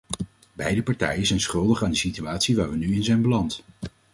Beide partijen zijn schuldig aan de situatie waar we nu in zijn beland.